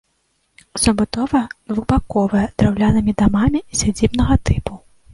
Забудова двухбаковая, драўлянымі дамамі сядзібнага тыпу.